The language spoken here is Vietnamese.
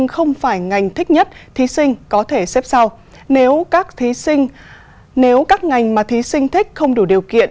không phải ngành thích nhất thí sinh có thể xếp sau nếu các ngành mà thí sinh thích không đủ điều kiện